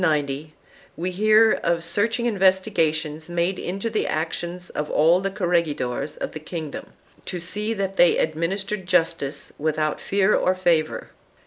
In 1485, 1488 and 1490 we hear of searching inves tigations made into the action of all the corregidores of the * kingdom to see that they administered justice without fear or favor.